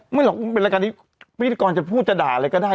หรอกมันเป็นรายการที่พิธีกรจะพูดจะด่าอะไรก็ได้